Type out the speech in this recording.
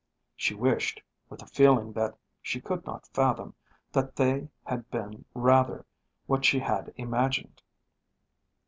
She wished, with a feeling that she could not fathom, that they had been rather what she had imagined.